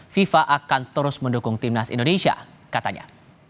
fifa akan terus mendukung timnas indonesia katanya